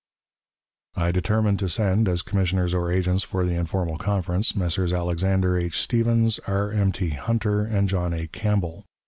I determined to send, as commissioners or agents for the informal conference, Messrs. Alexander H. Stephens, R. M. T. Hunter, and John A. Campbell.